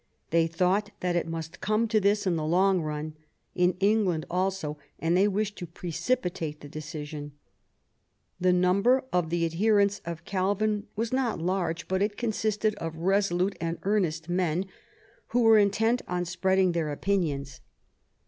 They thought that it must come to this in the long run, in England also ; and they wished to precipitate the decision. The number of the adherents of Calvin was not large, but it consisted of resolute and earnest men, who were intent on spreading their opinions.